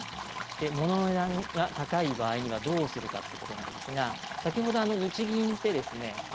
物の値段が高い場合にはどうするかということなんですが先ほど、日銀ってですね